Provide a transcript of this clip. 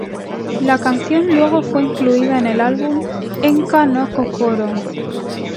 La canción luego fue incluida en el álbum "Enka no Kokoro".